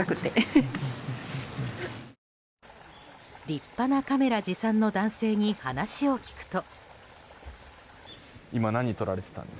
立派なカメラ持参の男性に話を聞くと。